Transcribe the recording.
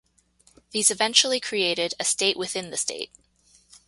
These eventually created a state within the state.